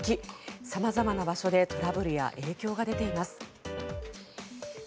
様々な場所でトラブルや影響が出ています。